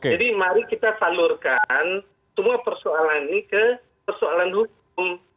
jadi mari kita salurkan semua persoalan ini ke persoalan hukum